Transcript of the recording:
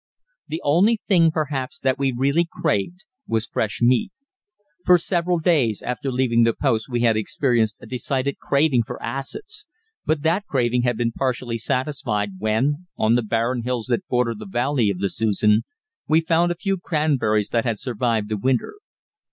The only thing, perhaps, that we really craved was fresh meat. For several days after leaving the post we had experienced a decided craving for acids, but that craving had been partially satisfied when, on the barren hills that border the Valley of the Susan, we found a few cranberries that had survived the winter.